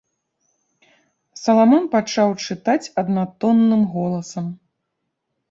Саламон пачаў чытаць аднатонным голасам.